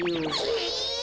え！